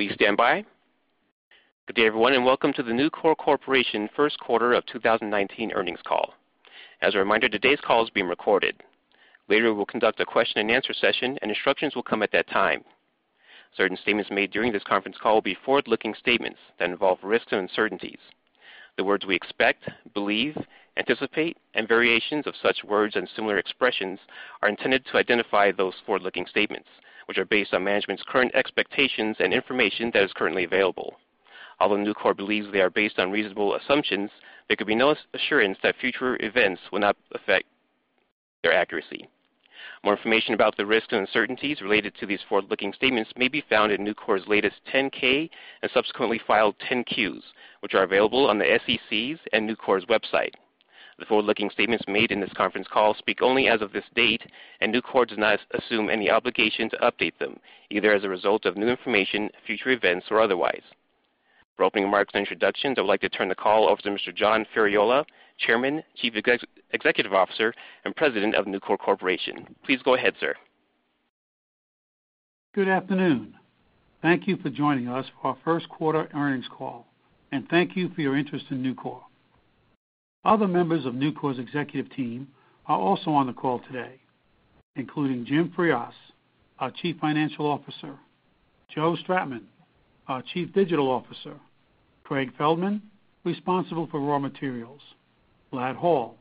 Please stand by. Good day, everyone, and welcome to the Nucor Corporation first quarter of 2019 earnings call. As a reminder, today's call is being recorded. Later, we'll conduct a question-and-answer session, and instructions will come at that time. Certain statements made during this conference call will be forward-looking statements that involve risks and uncertainties. The words we expect, believe, anticipate, and variations of such words and similar expressions are intended to identify those forward-looking statements, which are based on management's current expectations and information that is currently available. Although Nucor believes they are based on reasonable assumptions, there can be no assurance that future events will not affect their accuracy. More information about the risks and uncertainties related to these forward-looking statements may be found in Nucor's latest 10-K and subsequently filed 10-Qs, which are available on the SEC's and Nucor's website. The forward-looking statements made in this conference call speak only as of this date. Nucor does not assume any obligation to update them, either as a result of new information, future events, or otherwise. For opening remarks and introductions, I would like to turn the call over to Mr. John Ferriola, Chairman, Chief Executive Officer, and President of Nucor Corporation. Please go ahead, sir. Good afternoon. Thank you for joining us for our first quarter earnings call, and thank you for your interest in Nucor. Other members of Nucor's executive team are also on the call today, including Jim Frias, our Chief Financial Officer, Joe Stratman, our Chief Digital Officer, Craig Feldman, responsible for Raw Materials, Ladd Hall,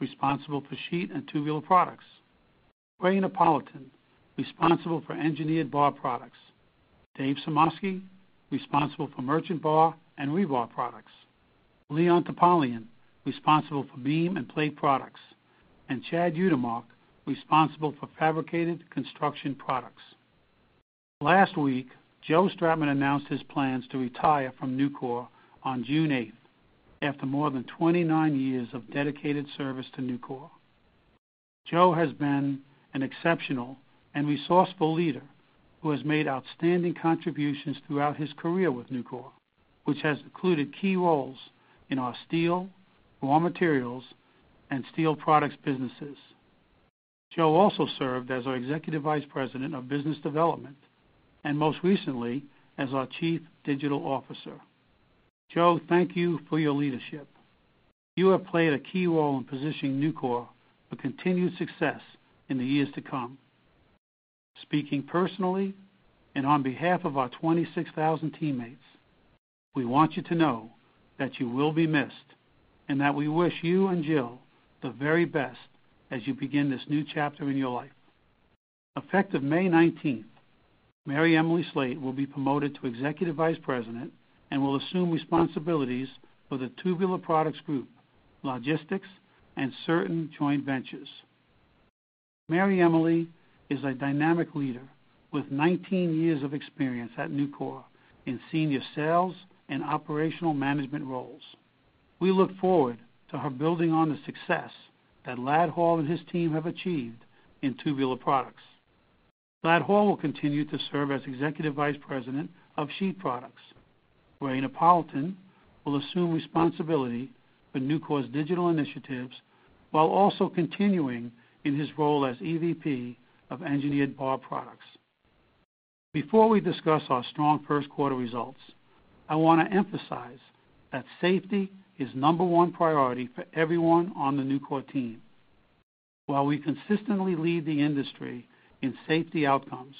responsible for Sheet and Tubular Products, Ray Napolitan, responsible for Engineered Bar Products, Dave Sumoski, responsible for Merchant Bar and Rebar Products, Leon Topalian, responsible for Beam and Plate Products, and Chad Utermark, responsible for Fabricated Construction Products. Last week, Joe Stratman announced his plans to retire from Nucor on June 8th after more than 29 years of dedicated service to Nucor. Joe has been an exceptional and resourceful leader who has made outstanding contributions throughout his career with Nucor, which has included key roles in our steel, Raw Materials, and Steel Products businesses. Joe also served as our Executive Vice President of Business Development, and most recently, as our Chief Digital Officer. Joe, thank you for your leadership. You have played a key role in positioning Nucor for continued success in the years to come. Speaking personally and on behalf of our 26,000 teammates, we want you to know that you will be missed and that we wish you and Jill the very best as you begin this new chapter in your life. Effective May 19th, Mary Emily Slate will be promoted to Executive Vice President and will assume responsibilities for the Tubular Products group, logistics, and certain joint ventures. Mary Emily is a dynamic leader with 19 years of experience at Nucor in senior sales and operational management roles. We look forward to her building on the success that Ladd Hall and his team have achieved in Tubular Products. Ladd Hall will continue to serve as Executive Vice President of Sheet Products. Ray Napolitan will assume responsibility for Nucor's digital initiatives while also continuing in his role as EVP of Engineered Bar Products. Before we discuss our strong first quarter results, I want to emphasize that safety is number 1 priority for everyone on the Nucor team. While we consistently lead the industry in safety outcomes,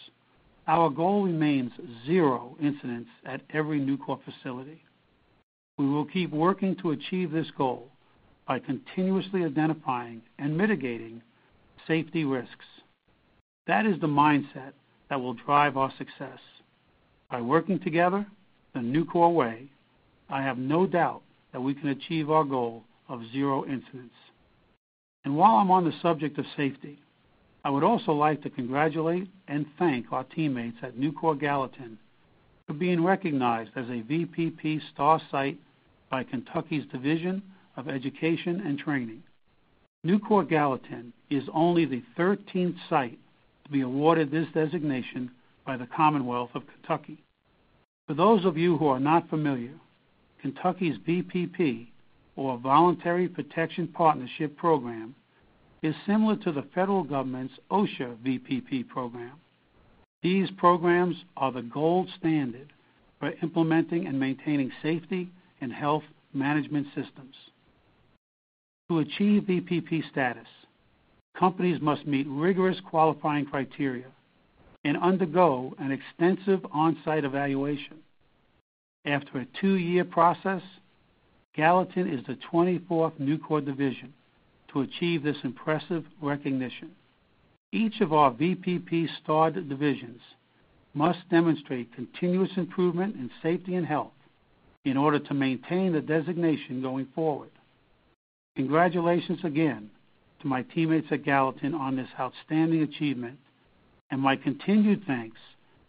our goal remains zero incidents at every Nucor facility. We will keep working to achieve this goal by continuously identifying and mitigating safety risks. That is the mindset that will drive our success. By working together the Nucor way, I have no doubt that we can achieve our goal of zero incidents. While I'm on the subject of safety, I would also like to congratulate and thank our teammates at Nucor Gallatin for being recognized as a VPP Star site by Kentucky's Division of Education and Training. Nucor Gallatin is only the 13th site to be awarded this designation by the Commonwealth of Kentucky. For those of you who are not familiar, Kentucky's VPP, or Voluntary Protection Partnership Program, is similar to the federal government's OSHA VPP program. These programs are the gold standard for implementing and maintaining safety and health management systems. To achieve VPP status, companies must meet rigorous qualifying criteria and undergo an extensive on-site evaluation. After a 2-year process, Gallatin is the 24th Nucor division to achieve this impressive recognition. Each of our VPP Star divisions must demonstrate continuous improvement in safety and health in order to maintain the designation going forward. Congratulations again to my teammates at Gallatin on this outstanding achievement. My continued thanks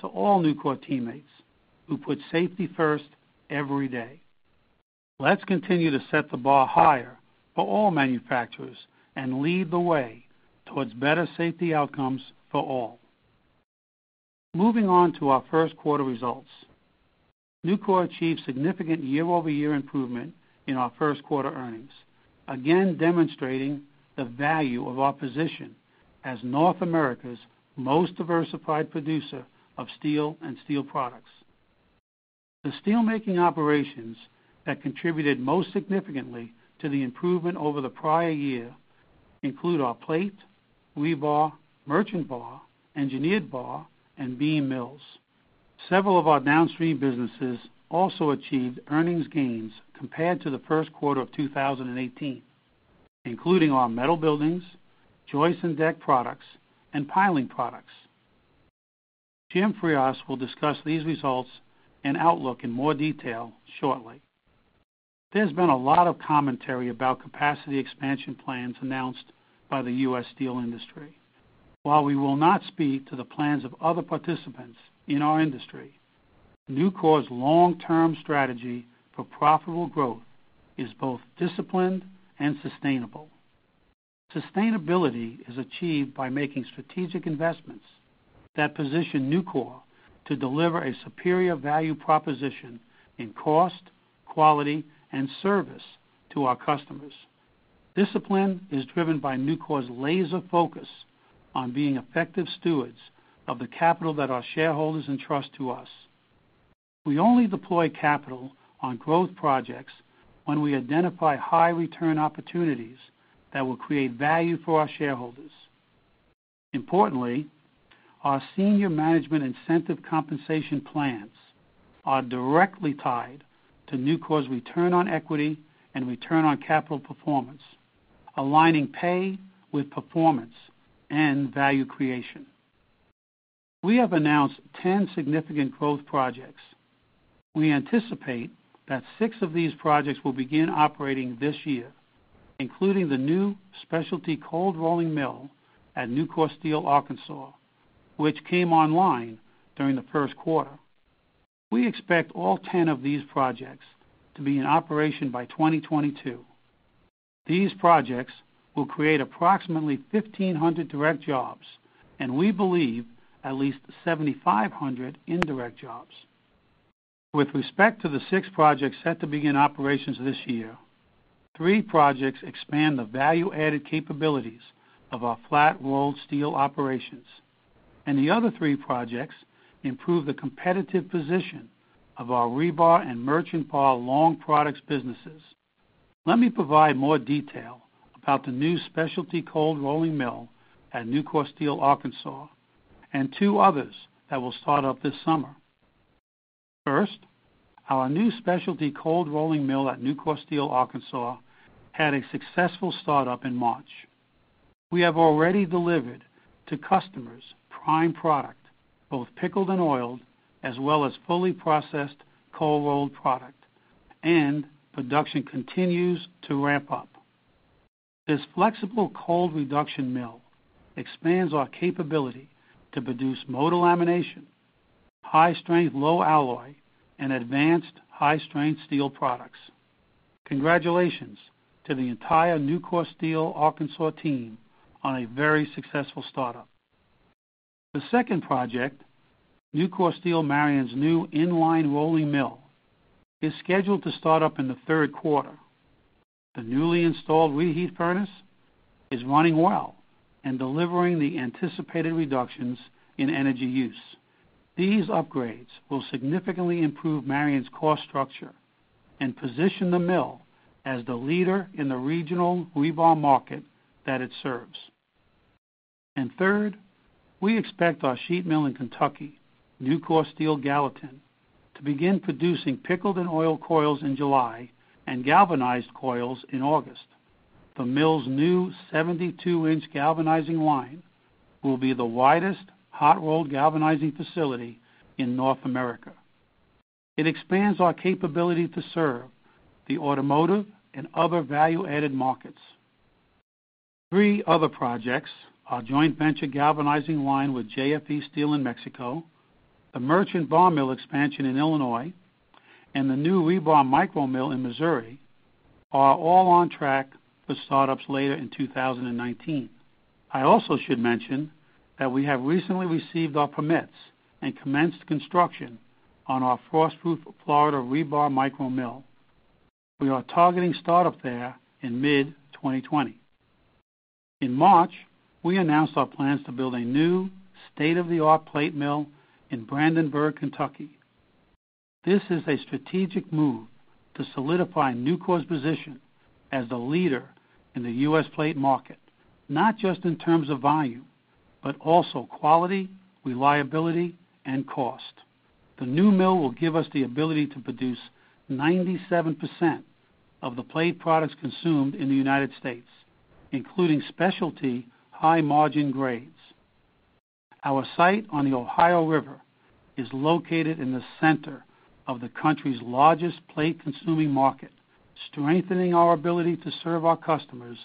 to all Nucor teammates who put safety first every day. Let's continue to set the bar higher for all manufacturers and lead the way towards better safety outcomes for all. Moving on to our first quarter results. Nucor achieved significant year-over-year improvement in our first quarter earnings, again demonstrating the value of our position as North America's most diversified producer of steel and steel products. The steelmaking operations that contributed most significantly to the improvement over the prior year include our plate, rebar, merchant bar, engineered bar, and beam mills. Several of our downstream businesses also achieved earnings gains compared to the first quarter of 2018, including our metal buildings, joist and deck products, and piling products. Jim Frias will discuss these results and outlook in more detail shortly. There's been a lot of commentary about capacity expansion plans announced by the U.S. steel industry. While we will not speak to the plans of other participants in our industry, Nucor's long-term strategy for profitable growth is both disciplined and sustainable. Sustainability is achieved by making strategic investments that position Nucor to deliver a superior value proposition in cost, quality, and service to our customers. Discipline is driven by Nucor's laser focus on being effective stewards of the capital that our shareholders entrust to us. We only deploy capital on growth projects when we identify high-return opportunities that will create value for our shareholders. Importantly, our senior management incentive compensation plans are directly tied to Nucor's return on equity and return on capital performance, aligning pay with performance and value creation. We have announced 10 significant growth projects. We anticipate that six of these projects will begin operating this year, including the new specialty cold rolling mill at Nucor Steel Arkansas, which came online during the first quarter. We expect all 10 of these projects to be in operation by 2022. These projects will create approximately 1,500 direct jobs, and we believe at least 7,500 indirect jobs. With respect to the six projects set to begin operations this year, three projects expand the value-added capabilities of our flat rolled steel operations, and the other three projects improve the competitive position of our rebar and merchant bar long products businesses. Let me provide more detail about the new specialty cold rolling mill at Nucor Steel Arkansas and two others that will start up this summer. First, our new specialty cold rolling mill at Nucor Steel Arkansas had a successful startup in March. We have already delivered to customers prime product, both pickled and oiled, as well as fully processed cold rolled product, and production continues to ramp up. This flexible cold reduction mill expands our capability to produce motor lamination, high-strength low-alloy, and advanced high-strength steel products. Congratulations to the entire Nucor Steel Arkansas team on a very successful startup. The second project, Nucor Steel Marion's new in-line rolling mill, is scheduled to start up in the third quarter. The newly installed reheat furnace is running well and delivering the anticipated reductions in energy use. These upgrades will significantly improve Marion's cost structure and position the mill as the leader in the regional rebar market that it serves. Third, we expect our sheet mill in Kentucky, Nucor Steel Gallatin, to begin producing pickled and oiled coils in July and galvanized coils in August. The mill's new 72-inch galvanizing line will be the widest hot-rolled galvanizing facility in North America. It expands our capability to serve the automotive and other value-added markets. Three other projects, our joint venture galvanizing line with JFE Steel in Mexico, the merchant bar mill expansion in Illinois, and the new rebar micro mill in Missouri, are all on track for startups later in 2019. I also should mention that we have recently received our permits and commenced construction on our Frostproof Florida rebar micro mill. We are targeting startup there in mid-2020. In March, we announced our plans to build a new state-of-the-art plate mill in Brandenburg, Kentucky. This is a strategic move to solidify Nucor's position as the leader in the U.S. plate market, not just in terms of volume, but also quality, reliability, and cost. The new mill will give us the ability to produce 97% of the plate products consumed in the United States, including specialty high-margin grades. Our site on the Ohio River is located in the center of the country's largest plate-consuming market, strengthening our ability to serve our customers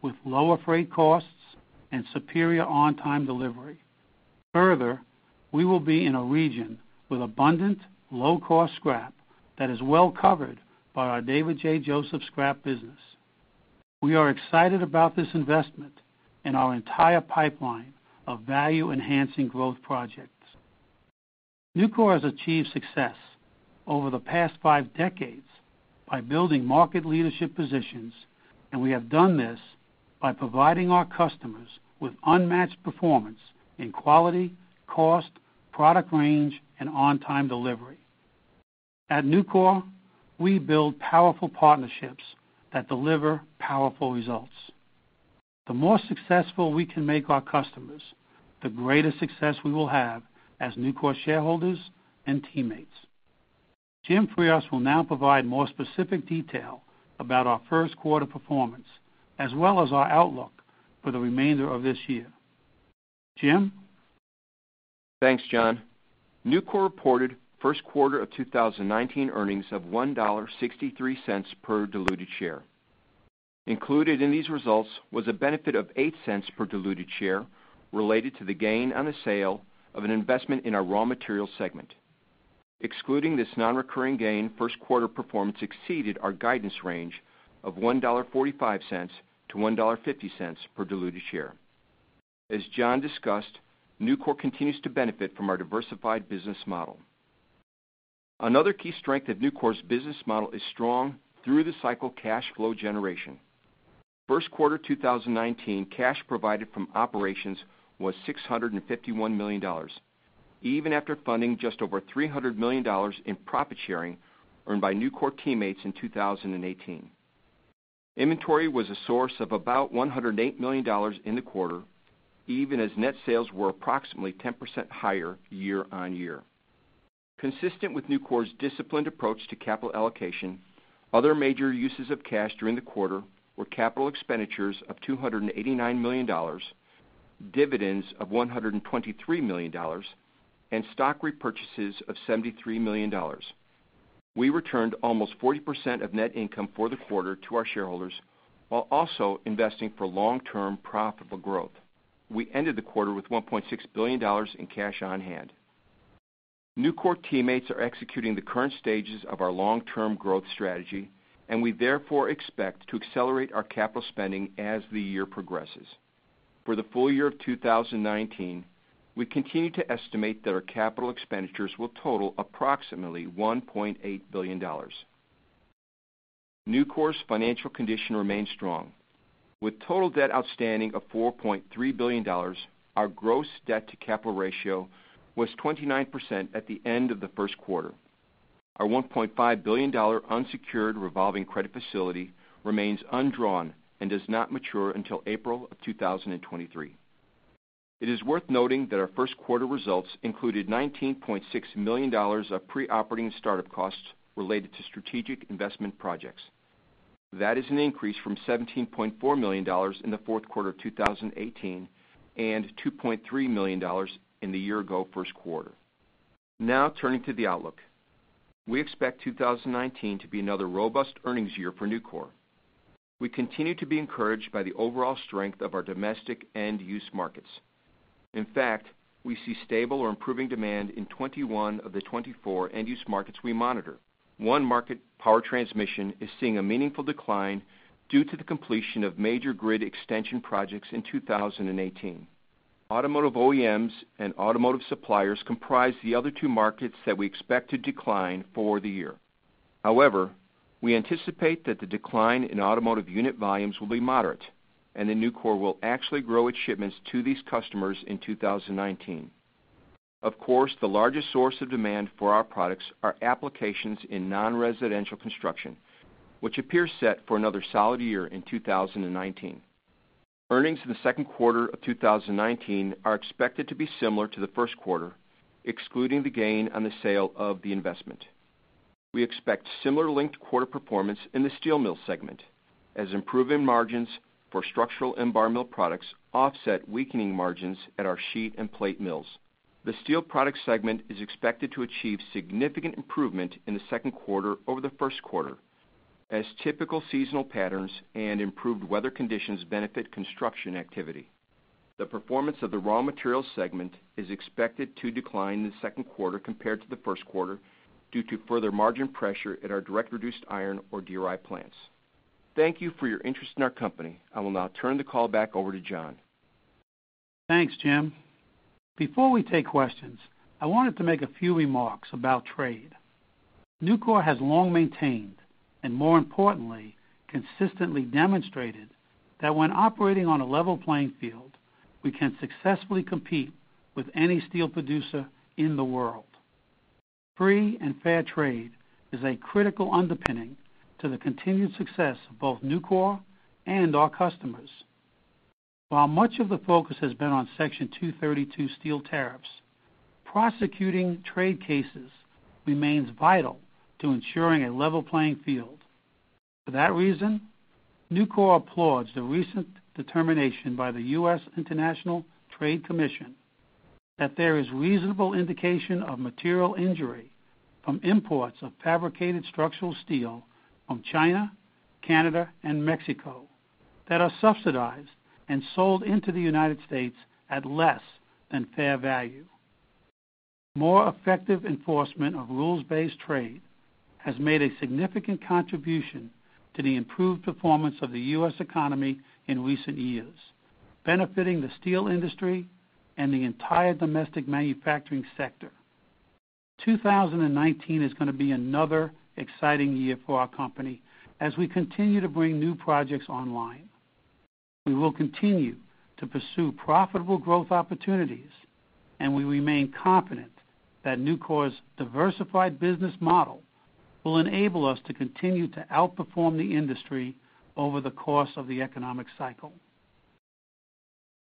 with lower freight costs and superior on-time delivery. Further, we will be in a region with abundant, low-cost scrap that is well covered by our David J. Joseph scrap business. We are excited about this investment in our entire pipeline of value-enhancing growth projects. Nucor has achieved success over the past five decades by building market leadership positions, and we have done this by providing our customers with unmatched performance in quality, cost, product range, and on-time delivery. At Nucor, we build powerful partnerships that deliver powerful results. The more successful we can make our customers, the greater success we will have as Nucor shareholders and teammates. Jim Frias will now provide more specific detail about our first quarter performance, as well as our outlook for the remainder of this year. Jim? Thanks, John. Nucor reported first quarter of 2019 earnings of $1.63 per diluted share. Included in these results was a benefit of $0.08 per diluted share related to the gain on the sale of an investment in our Raw Materials segment. Excluding this non-recurring gain, first quarter performance exceeded our guidance range of $1.45-$1.50 per diluted share. As John discussed, Nucor continues to benefit from our diversified business model. Another key strength of Nucor's business model is strong through-the-cycle cash flow generation. First quarter 2019 cash provided from operations was $651 million, even after funding just over $300 million in profit sharing earned by Nucor teammates in 2018. Inventory was a source of about $108 million in the quarter, even as net sales were approximately 10% higher year-on-year. Consistent with Nucor's disciplined approach to capital allocation, other major uses of cash during the quarter were capital expenditures of $289 million, dividends of $123 million, and stock repurchases of $73 million. We returned almost 40% of net income for the quarter to our shareholders, while also investing for long-term profitable growth. We ended the quarter with $1.6 billion in cash on hand. Nucor teammates are executing the current stages of our long-term growth strategy. We therefore expect to accelerate our capital spending as the year progresses. For the full year of 2019, we continue to estimate that our capital expenditures will total approximately $1.8 billion. Nucor's financial condition remains strong. With total debt outstanding of $4.3 billion, our gross debt-to-capital ratio was 29% at the end of the first quarter. Our $1.5 billion unsecured revolving credit facility remains undrawn and does not mature until April of 2023. It is worth noting that our first quarter results included $19.6 million of pre-operating and start-up costs related to strategic investment projects. That is an increase from $17.4 million in the fourth quarter of 2018 and $2.3 million in the year-ago first quarter. Now turning to the outlook. We expect 2019 to be another robust earnings year for Nucor. We continue to be encouraged by the overall strength of our domestic end-use markets. In fact, we see stable or improving demand in 21 of the 24 end-use markets we monitor. One market, power transmission, is seeing a meaningful decline due to the completion of major grid extension projects in 2018. Automotive OEMs and automotive suppliers comprise the other two markets that we expect to decline for the year. However, we anticipate that the decline in automotive unit volumes will be moderate, and that Nucor will actually grow its shipments to these customers in 2019. Of course, the largest source of demand for our products are applications in non-residential construction, which appears set for another solid year in 2019. Earnings in the second quarter of 2019 are expected to be similar to the first quarter, excluding the gain on the sale of the investment. We expect similar linked-quarter performance in the Steel Mills segment, as improving margins for structural and bar mill products offset weakening margins at our sheet and plate mills. The Steel Products segment is expected to achieve significant improvement in the second quarter over the first quarter, as typical seasonal patterns and improved weather conditions benefit construction activity. The performance of the Raw Materials segment is expected to decline in the second quarter compared to the first quarter due to further margin pressure at our direct reduced iron, or DRI, plants. Thank you for your interest in our company. I will now turn the call back over to John. Thanks, Jim. Before we take questions, I wanted to make a few remarks about trade. Nucor has long maintained, and more importantly, consistently demonstrated, that when operating on a level playing field, we can successfully compete with any steel producer in the world. Free and fair trade is a critical underpinning to the continued success of both Nucor and our customers. While much of the focus has been on Section 232 steel tariffs, prosecuting trade cases remains vital to ensuring a level playing field. For that reason, Nucor applauds the recent determination by the U.S. International Trade Commission that there is reasonable indication of material injury from imports of fabricated structural steel from China, Canada, and Mexico that are subsidized and sold into the United States at less than fair value. More effective enforcement of rules-based trade has made a significant contribution to the improved performance of the U.S. economy in recent years, benefiting the steel industry and the entire domestic manufacturing sector. 2019 is going to be another exciting year for our company as we continue to bring new projects online. We will continue to pursue profitable growth opportunities, and we remain confident that Nucor's diversified business model will enable us to continue to outperform the industry over the course of the economic cycle.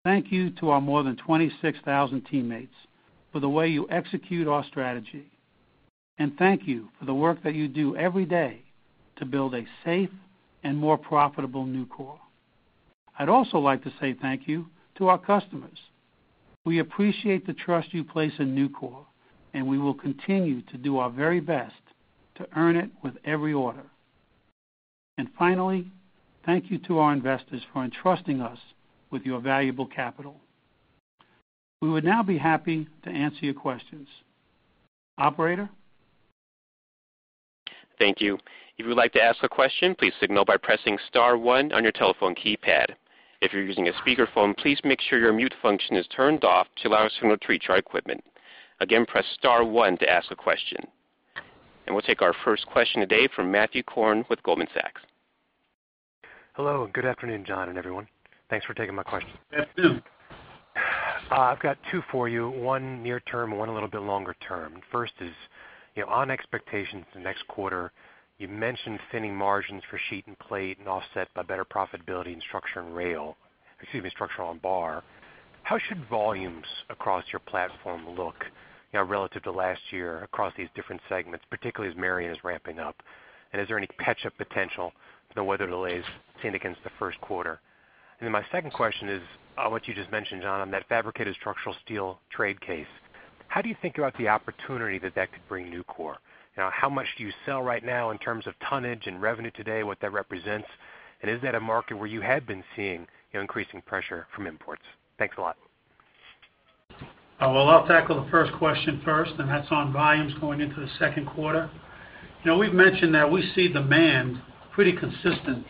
Thank you to our more than 26,000 teammates for the way you execute our strategy. Thank you for the work that you do every day to build a safe and more profitable Nucor. I'd also like to say thank you to our customers. We appreciate the trust you place in Nucor, and we will continue to do our very best to earn it with every order. Finally, thank you to our investors for entrusting us with your valuable capital. We would now be happy to answer your questions. Operator? Thank you. We'll take our first question today from Matthew Korn with Goldman Sachs. Hello, good afternoon, John and everyone. Thanks for taking my question. Yes, Matt. I've got two for you, one near term, one a little bit longer term. First is, on expectations the next quarter, you mentioned thinning margins for sheet and plate and offset by better profitability in structural and bar. Is there any catch-up potential for the weather delays seen against the first quarter? My second question is what you just mentioned, John, on that fabricated structural steel trade case. How do you think about the opportunity that that could bring Nucor? How much do you sell right now in terms of tonnage and revenue today, what that represents, and is that a market where you had been seeing increasing pressure from imports? Thanks a lot. I'll tackle the first question first, that's on volumes going into the second quarter. We've mentioned that we see demand pretty consistent.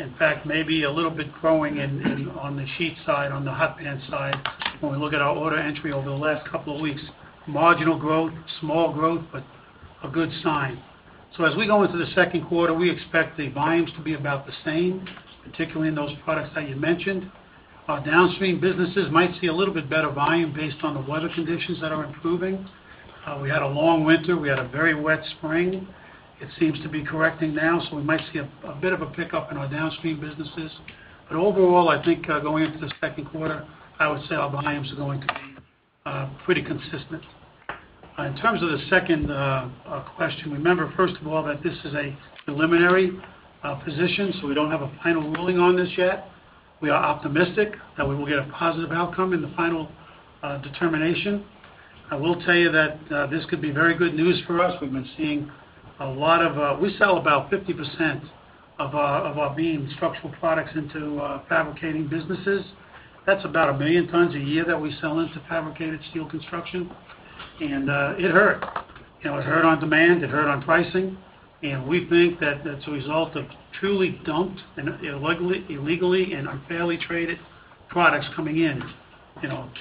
In fact, maybe a little bit growing on the sheet side, on the hot band side, when we look at our order entry over the last couple of weeks. Marginal growth, small growth, but a good sign. As we go into the second quarter, we expect the volumes to be about the same, particularly in those products that you mentioned. Our downstream businesses might see a little bit better volume based on the weather conditions that are improving. We had a long winter. We had a very wet spring. It seems to be correcting now, so we might see a bit of a pickup in our downstream businesses. Overall, I think going into the second quarter, I would say our volumes are going to be pretty consistent. In terms of the second question, remember, first of all, that this is a preliminary position, so we don't have a final ruling on this yet. We are optimistic that we will get a positive outcome in the final determination. I will tell you that this could be very good news for us. We sell about 50% of our beam structural products into fabricating businesses. That's about 1 million tons a year that we sell into fabricated steel construction. It hurt. It hurt on demand, it hurt on pricing, and we think that that's a result of truly dumped and illegally and unfairly traded products coming in.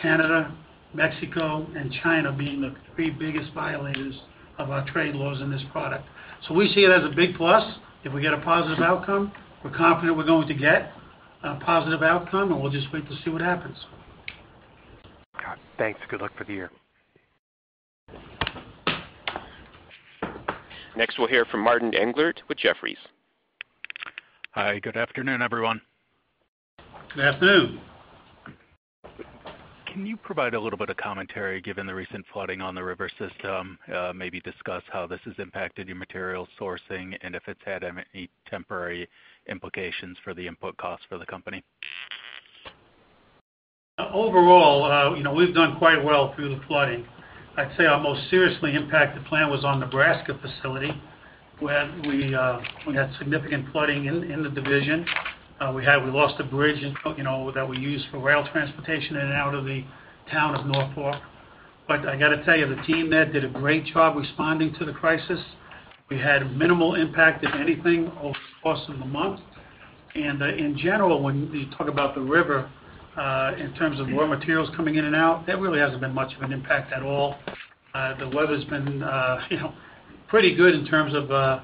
Canada, Mexico, and China being the three biggest violators of our trade laws in this product. We see it as a big plus if we get a positive outcome, we're confident we're going to get a positive outcome, and we'll just wait to see what happens. Got it. Thanks. Good luck for the year. Next, we'll hear from Martin Englert with Jefferies. Hi, good afternoon, everyone. Good afternoon. Can you provide a little bit of commentary, given the recent flooding on the river system? Maybe discuss how this has impacted your material sourcing and if it's had any temporary implications for the input costs for the company. Overall, we've done quite well through the flooding. I'd say our most seriously impacted plant was our Nebraska facility, where we had significant flooding in the division. We lost a bridge that we use for rail transportation in and out of the town of Norfolk. I got to tell you, the team there did a great job responding to the crisis. We had minimal impact, if anything, over the course of the month. In general, when you talk about the river, in terms of raw materials coming in and out, there really hasn't been much of an impact at all. The weather's been pretty good in terms of the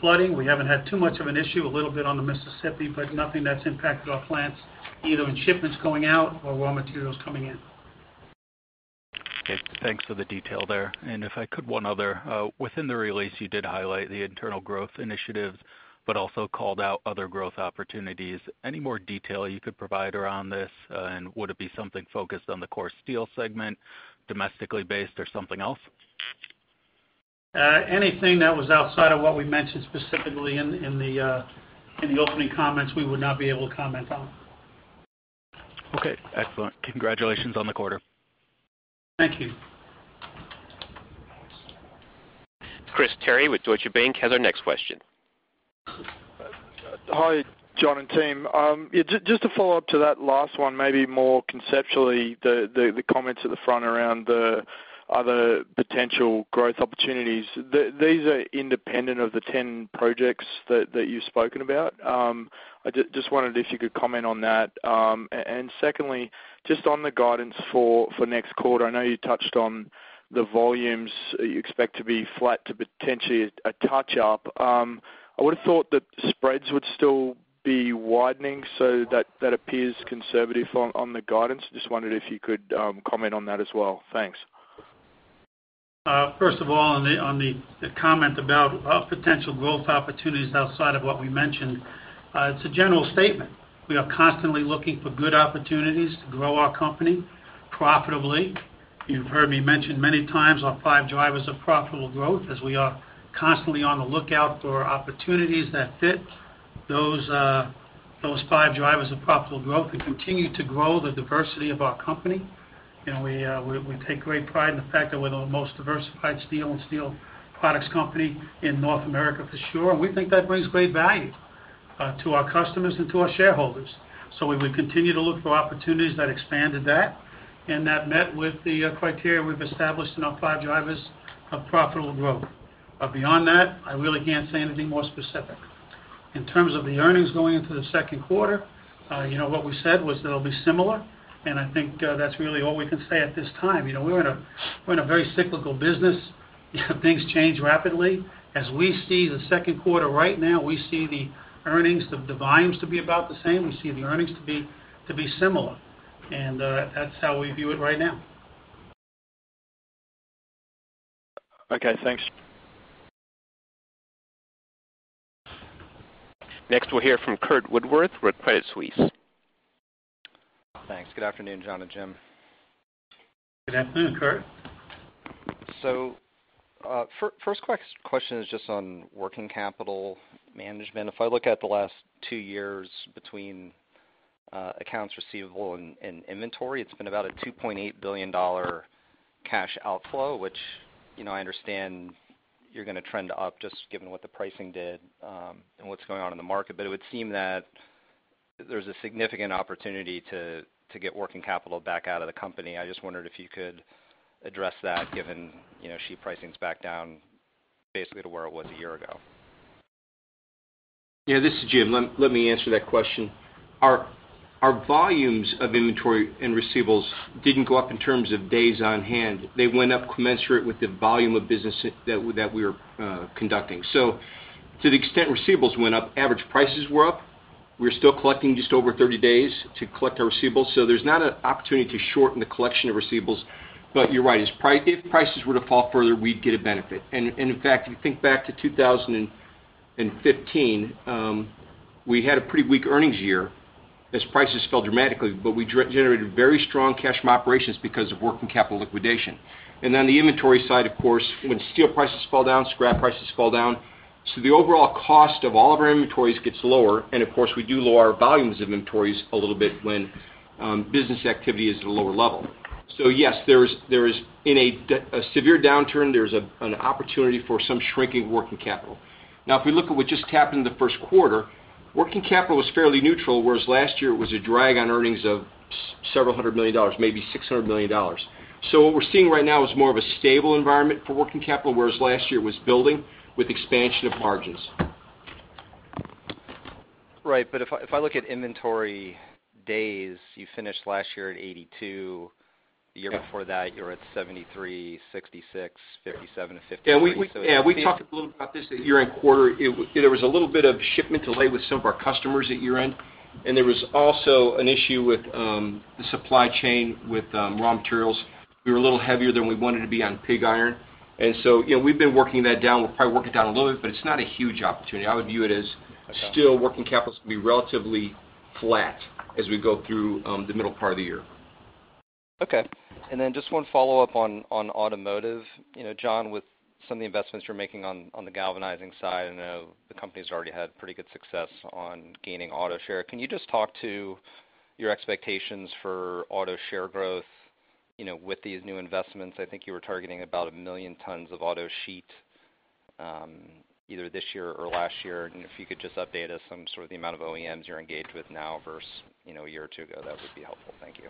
flooding. We haven't had too much of an issue, a little bit on the Mississippi, but nothing that's impacted our plants, either in shipments going out or raw materials coming in. Okay. Thanks for the detail there. If I could, one other. Within the release, you did highlight the internal growth initiatives, but also called out other growth opportunities. Any more detail you could provide around this? Would it be something focused on the core steel segment, domestically based or something else? Anything that was outside of what we mentioned specifically in the opening comments, we would not be able to comment on. Okay, excellent. Congratulations on the quarter. Thank you. Chris Terry with Deutsche Bank has our next question. Hi, John and team. Yeah, just to follow up to that last one, maybe more conceptually, the comments at the front around the other potential growth opportunities. These are independent of the 10 projects that you've spoken about. I just wondered if you could comment on that. Secondly, just on the guidance for next quarter, I know you touched on the volumes you expect to be flat to potentially a touch up. I would've thought that spreads would still be widening, so that appears conservative on the guidance. Just wondered if you could comment on that as well. Thanks. First of all, on the comment about potential growth opportunities outside of what we mentioned, it's a general statement. We are constantly looking for good opportunities to grow our company profitably. You've heard me mention many times our five drivers of profitable growth as we are constantly on the lookout for opportunities that fit those five drivers of profitable growth. We continue to grow the diversity of our company, and we take great pride in the fact that we're the most diversified steel and steel products company in North America for sure. We think that brings great value to our customers and to our shareholders. We would continue to look for opportunities that expanded that and that met with the criteria we've established in our five drivers of profitable growth. Beyond that, I really can't say anything more specific. In terms of the earnings going into the second quarter, what we said was that it'll be similar, I think that's really all we can say at this time. We're in a very cyclical business, things change rapidly. As we see the second quarter right now, we see the earnings, the volumes to be about the same. We see the earnings to be similar. That's how we view it right now. Okay, thanks. Next, we'll hear from Curt Woodworth with Credit Suisse. Thanks. Good afternoon, John and Jim. Good afternoon, Curt. First question is just on working capital management. If I look at the last two years between accounts receivable and inventory, it's been about a $2.8 billion cash outflow, which I understand you're gonna trend up just given what the pricing did, and what's going on in the market. It would seem that there's a significant opportunity to get working capital back out of the company. I just wondered if you could address that given sheet pricing's back down basically to where it was a year ago. Yeah, this is Jim. Let me answer that question. Our volumes of inventory and receivables didn't go up in terms of days on hand. They went up commensurate with the volume of business that we were conducting. To the extent receivables went up, average prices were up. We're still collecting just over 30 days to collect our receivables. There's not an opportunity to shorten the collection of receivables. You're right, if prices were to fall further, we'd get a benefit. In fact, if you think back to 2015, we had a pretty weak earnings year as prices fell dramatically, but we generated very strong cash from operations because of working capital liquidation. The inventory side, of course, when steel prices fall down, scrap prices fall down. The overall cost of all of our inventories gets lower. Of course, we do lower our volumes of inventories a little bit when business activity is at a lower level. Yes, in a severe downturn, there's an opportunity for some shrinking working capital. If we look at what just happened in the first quarter, working capital was fairly neutral, whereas last year it was a drag on earnings of several hundred million dollars, maybe $600 million. What we're seeing right now is more of a stable environment for working capital, whereas last year it was building with expansion of margins. If I look at inventory days, you finished last year at 82. The year before that, you were at 73, 66, [37-53]. We talked a little about this at year-end quarter. There was a little bit of shipment delay with some of our customers at year-end, and there was also an issue with the supply chain with raw materials. We were a little heavier than we wanted to be on pig iron. We've been working that down. We'll probably work it down a little bit, but it's not a huge opportunity. I would view it as still working capital's gonna be relatively flat as we go through the middle part of the year. Just one follow-up on automotive. John, with some of the investments you're making on the galvanized side, I know the company's already had pretty good success on gaining auto share. Can you just talk to your expectations for auto share growth with these new investments? I think you were targeting about 1 million tons of auto sheet, either this year or last year. If you could just update us on sort of the amount of OEMs you're engaged with now versus 1 year or 2 ago, that would be helpful. Thank you.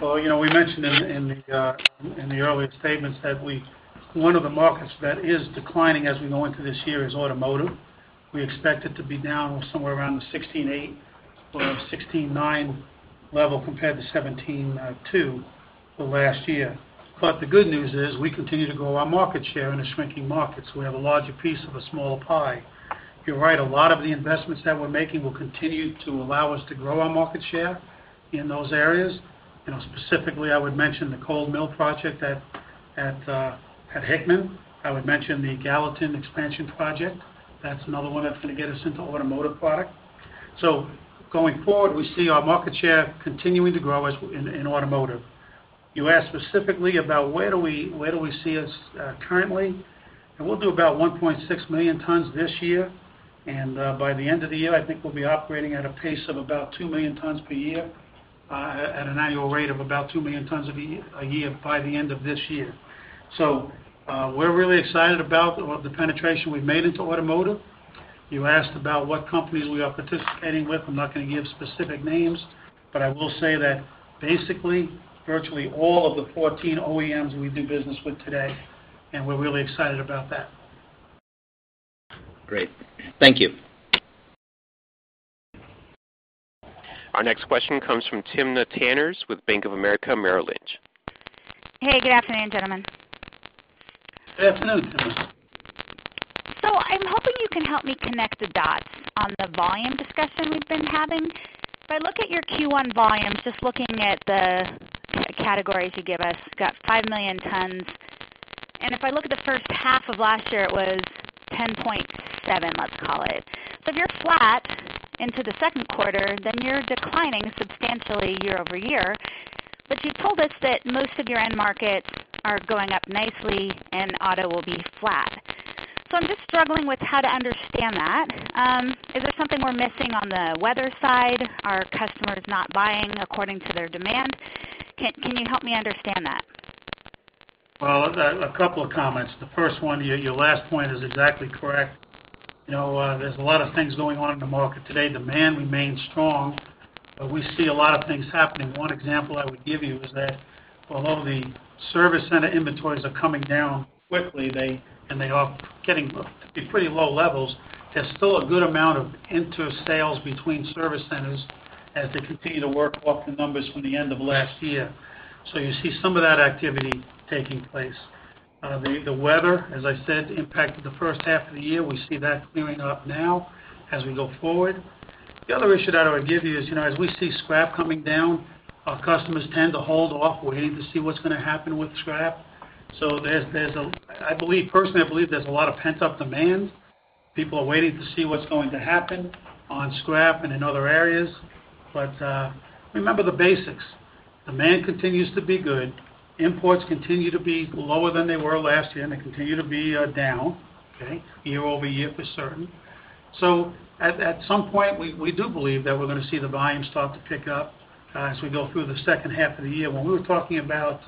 We mentioned in the earlier statements that one of the markets that is declining as we go into this year is automotive. We expect it to be down somewhere around the 16.8 or 16.9 level compared to 17.2 last year. The good news is we continue to grow our market share in the shrinking markets. We have a larger piece of a smaller pie. You're right, a lot of the investments that we're making will continue to allow us to grow our market share in those areas. Specifically, I would mention the cold mill project at Hickman. I would mention the Gallatin expansion project. That's another one that's going to get us into automotive product. Going forward, we see our market share continuing to grow in automotive. You asked specifically about where do we see us currently, and we'll do about 1.6 million tons this year. By the end of the year, I think we'll be operating at a pace of about 2 million tons per year. At an annual rate of about 2 million tons a year by the end of this year. We're really excited about the penetration we've made into automotive. You asked about what companies we are participating with. I'm not going to give specific names, but I will say that basically, virtually all of the 14 OEMs we do business with today, and we're really excited about that. Great. Thank you. Our next question comes from Timna Tanners with Bank of America Merrill Lynch. Hey, good afternoon, gentlemen. Good afternoon, Timna. I'm hoping you can help me connect the dots on the volume discussion we've been having. If I look at your Q1 volumes, just looking at the categories you give us, got 5 million tons. If I look at the first half of last year, it was 10.7, let's call it. If you're flat into the second quarter, then you're declining substantially year-over-year. You've told us that most of your end markets are going up nicely and auto will be flat. I'm just struggling with how to understand that. Is there something we're missing on the weather side? Are customers not buying according to their demand? Can you help me understand that? Well, a couple of comments. The first one, your last point is exactly correct. There's a lot of things going on in the market today. Demand remains strong, but we see a lot of things happening. One example I would give you is that although the service center inventories are coming down quickly, and they are getting to pretty low levels, there's still a good amount of inter-sales between service centers as they continue to work off the numbers from the end of last year. You see some of that activity taking place. The weather, as I said, impacted the first half of the year. We see that clearing up now as we go forward. The other issue that I would give you is, as we see scrap coming down, our customers tend to hold off waiting to see what's going to happen with scrap. Personally, I believe there's a lot of pent-up demand. People are waiting to see what's going to happen on scrap and in other areas. Remember the basics. Demand continues to be good. Imports continue to be lower than they were last year, and they continue to be down, okay, year-over-year for certain. At some point, we do believe that we're going to see the volume start to pick up as we go through the second half of the year. When we were talking about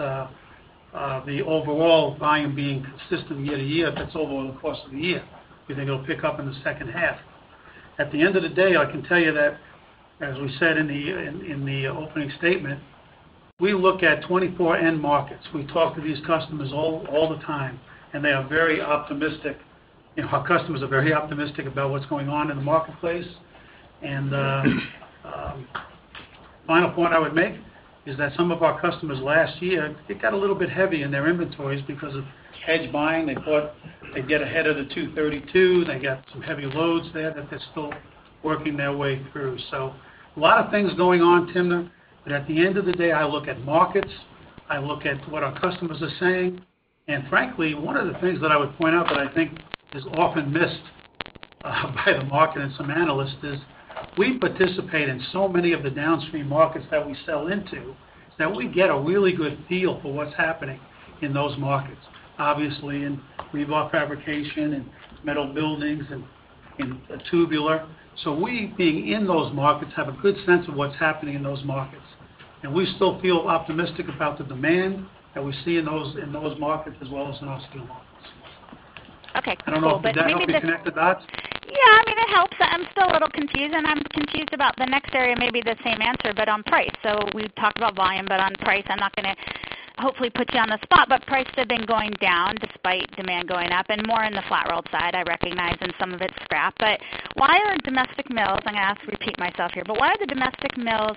the overall volume being consistent year to year, that's over the course of the year. We think it'll pick up in the second half. At the end of the day, I can tell you that as we said in the opening statement, we look at 24 end markets. We talk to these customers all the time, and they are very optimistic. Our customers are very optimistic about what's going on in the marketplace. The final point I would make is that some of our customers last year, they got a little bit heavy in their inventories because of hedge buying. They thought they'd get ahead of the 232. They got some heavy loads there that they're still working their way through. A lot of things going on, Timna, but at the end of the day, I look at markets, I look at what our customers are saying. Frankly, one of the things that I would point out that I think is often missed by the market and some analysts is we participate in so many of the downstream markets that we sell into that we get a really good feel for what's happening in those markets. Obviously, in rebar fabrication and metal buildings and in tubular. We, being in those markets, have a good sense of what's happening in those markets. We still feel optimistic about the demand that we see in those markets as well as in our steel markets. Okay, cool. Maybe I don't know if that helped you connect the dots. Yeah, I mean, it helps. I'm still a little confused, and I'm confused about the next area, maybe the same answer, but on price. We talked about volume, but on price, I'm not gonna hopefully put you on the spot, prices have been going down despite demand going up and more on the flat rolled side, I recognize, and some of it's scrap. Why are domestic mills, I'm gonna have to repeat myself here, why are the domestic mills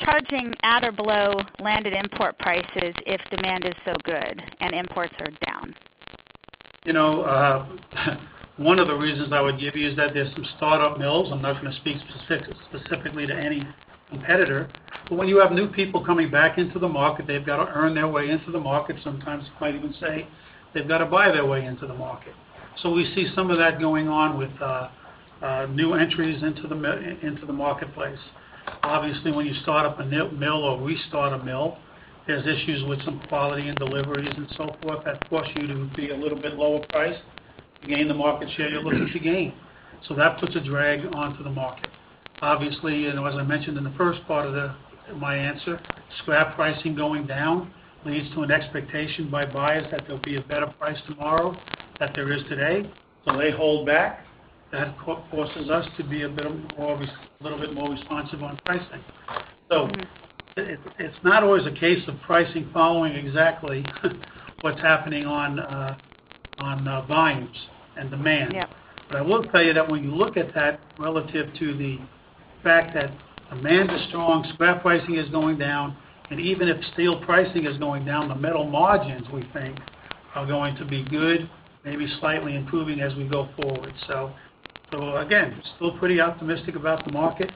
charging at or below landed import prices if demand is so good and imports are down? One of the reasons I would give you is that there's some startup mills. I'm not going to speak specifically to any competitor, but when you have new people coming back into the market, they've got to earn their way into the market. Sometimes you might even say they've got to buy their way into the market. We see some of that going on with new entries into the marketplace. Obviously, when you start up a mill or restart a mill, there's issues with some quality and deliveries and so forth that force you to be a little bit lower price to gain the market share you're looking to gain. That puts a drag onto the market. Obviously, and as I mentioned in the first part of my answer, scrap pricing going down leads to an expectation by buyers that there'll be a better price tomorrow than there is today. They hold back. That forces us to be a little bit more responsive on pricing. It's not always a case of pricing following exactly what's happening on volumes and demand. Yep. I will tell you that when you look at that relative to the fact that demand is strong, scrap pricing is going down, and even if steel pricing is going down, the metal margins, we think, are going to be good, maybe slightly improving as we go forward. Again, we're still pretty optimistic about the market.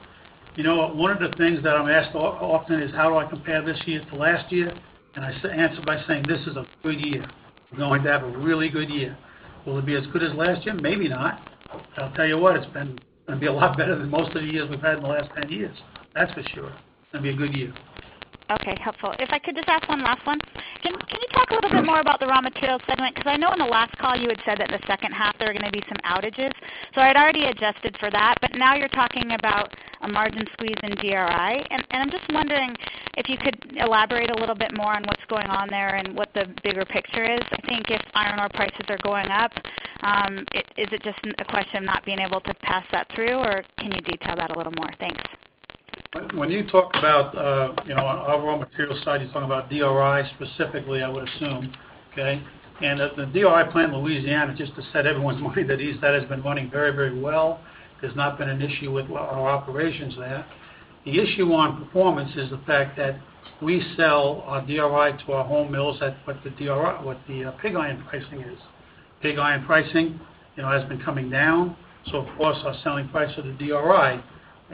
One of the things that I'm asked often is how do I compare this year to last year, and I answer by saying, "This is a good year. We're going to have a really good year." Will it be as good as last year? Maybe not. I'll tell you what, it's going to be a lot better than most of the years we've had in the last 10 years. That's for sure. It's going to be a good year. Okay, helpful. If I could just ask one last one. Can you talk a little bit more about the Raw Materials segment? Because I know on the last call you had said that in the second half there were going to be some outages. I'd already adjusted for that, but now you're talking about a margin squeeze in DRI, and I'm just wondering if you could elaborate a little bit more on what's going on there and what the bigger picture is. I think if iron ore prices are going up, is it just a question of not being able to pass that through, or can you detail that a little more? Thanks. When you talk about our raw material side, you're talking about DRI specifically, I would assume, okay? The DRI plant in Louisiana, just to set everyone's mind at ease, that has been running very well. There's not been an issue with our operations there. The issue on performance is the fact that we sell our DRI to our home mills at what the pig iron pricing is. Pig iron pricing has been coming down, of course, our selling price for the DRI,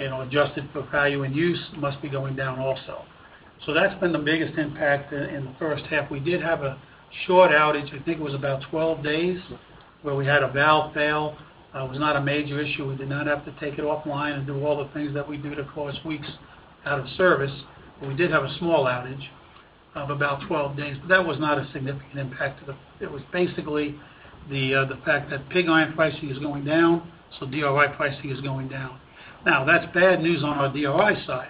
adjusted for value-in-use, must be going down also. That's been the biggest impact in the first half. We did have a short outage, I think it was about 12 days, where we had a valve fail. It was not a major issue. We did not have to take it offline and do all the things that we do to cause weeks out of service. We did have a small outage of about 12 days, but that was not a significant impact. It was basically the fact that pig iron pricing is going down, DRI pricing is going down. Now, that's bad news on our DRI side.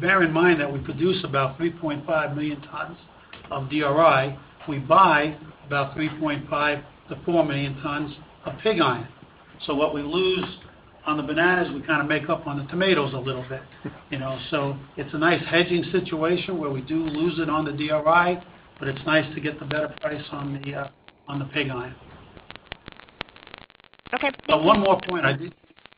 Bear in mind that we produce about 3.5 million tons of DRI. We buy about 3.5 million-4 million tons of pig iron. What we lose on the bananas, we kind of make up on the tomatoes a little bit. It's a nice hedging situation where we do lose it on the DRI, but it's nice to get the better price on the pig iron. Okay. One more point.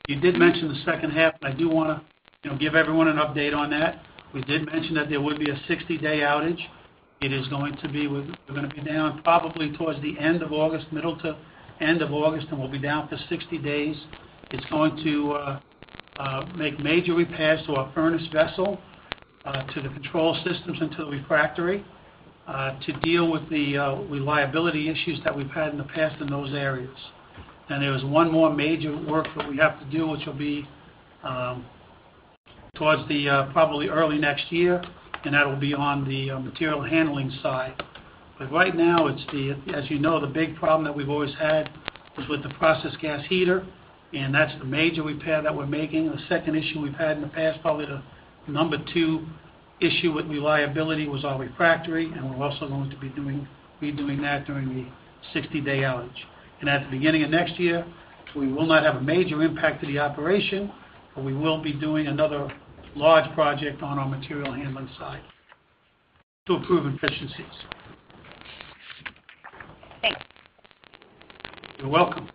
You did mention the second half, and I do want to give everyone an update on that. We did mention that there would be a 60-day outage. We're going to be down probably towards the end of August, middle to end of August, and we'll be down for 60 days. It's going to make major repairs to our furnace vessel, to the control systems, and to the refractory, to deal with the reliability issues that we've had in the past in those areas. There is one more major work that we have to do, which will be towards probably early next year, and that'll be on the material handling side. Right now, as you know, the big problem that we've always had is with the process gas heater, and that's the major repair that we're making. The second issue we've had in the past, probably the number 2 issue with reliability, was our refractory, and we're also going to be doing that during the 60-day outage. At the beginning of next year, we will not have a major impact to the operation, but we will be doing another large project on our material handling side to improve efficiencies. Thanks. You're welcome.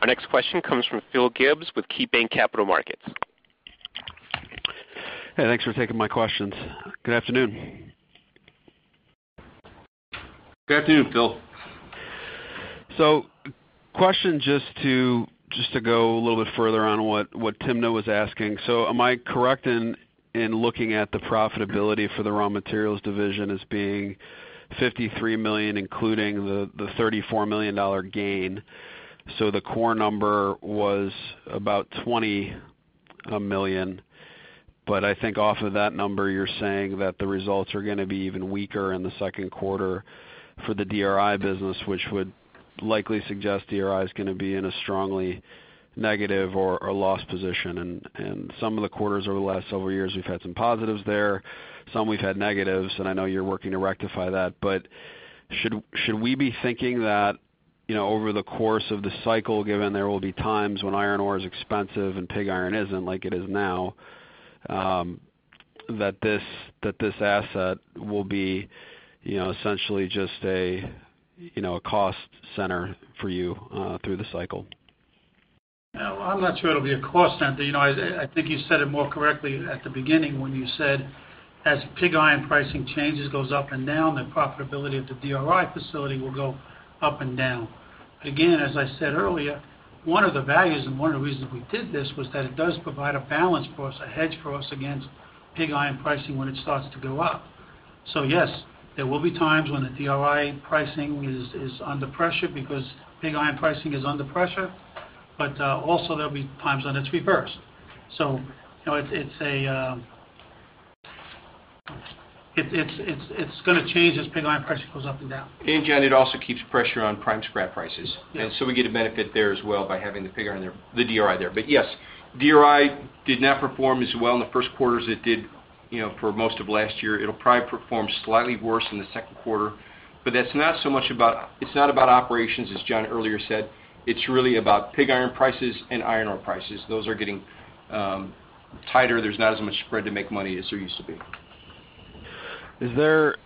Our next question comes from Philip Gibbs with KeyBanc Capital Markets. Hey, thanks for taking my questions. Good afternoon. Good afternoon, Phil. Question just to go a little bit further on what Timna was asking. Am I correct in looking at the profitability for the Raw Materials segment as being $53 million, including the $34 million gain? The core number was about $20 million. I think off of that number, you're saying that the results are going to be even weaker in the second quarter for the DRI business, which would likely suggest DRI is going to be in a strongly negative or a loss position. Some of the quarters over the last several years, we've had some positives there, some we've had negatives, and I know you're working to rectify that. Should we be thinking that over the course of the cycle, given there will be times when iron ore is expensive and pig iron isn't, like it is now, that this asset will be essentially just a cost center for you through the cycle? No, I'm not sure it'll be a cost center. I think you said it more correctly at the beginning when you said as pig iron pricing changes, goes up and down, the profitability of the DRI facility will go up and down. Again, as I said earlier, one of the values and one of the reasons we did this was that it does provide a balance for us, a hedge for us against pig iron pricing when it starts to go up. Yes, there will be times when the DRI pricing is under pressure because pig iron pricing is under pressure, but also there'll be times when it's reversed. It's going to change as pig iron pricing goes up and down. John, it also keeps pressure on prime scrap prices. Yeah. We get a benefit there as well by having the DRI there. Yes, DRI did not perform as well in the first quarter as it did for most of last year. It'll probably perform slightly worse in the second quarter. It's not about operations, as John earlier said. It's really about pig iron prices and iron ore prices. Those are getting tighter. There's not as much spread to make money as there used to be. Is there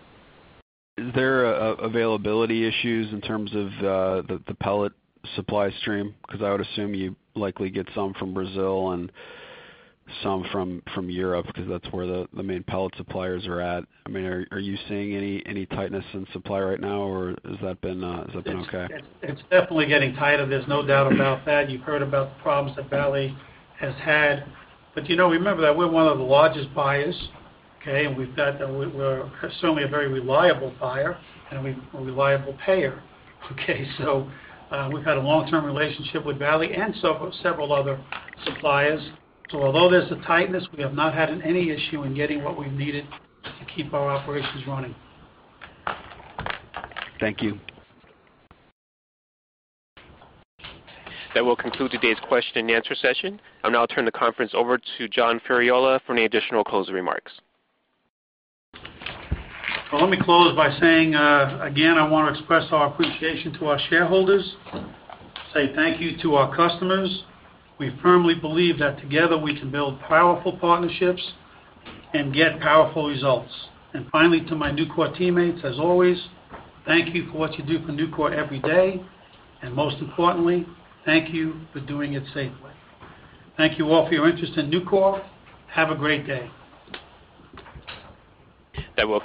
availability issues in terms of the pellet supply stream? I would assume you likely get some from Brazil and some from Europe, because that's where the main pellet suppliers are at. Are you seeing any tightness in supply right now, or has that been okay? It's definitely getting tighter. There's no doubt about that. You've heard about the problems that Vale has had. Remember that we're one of the largest buyers, okay? We're certainly a very reliable buyer and a reliable payer. We've had a long-term relationship with Vale and several other suppliers. Although there's a tightness, we have not had any issue in getting what we've needed to keep our operations running. Thank you. That will conclude today's question and answer session. I'll now turn the conference over to John Ferriola for any additional closing remarks. Let me close by saying, again, I want to express our appreciation to our shareholders, say thank you to our customers. We firmly believe that together we can build powerful partnerships and get powerful results. Finally, to my Nucor teammates, as always, thank you for what you do for Nucor every day, and most importantly, thank you for doing it safely. Thank you all for your interest in Nucor. Have a great day. That will con-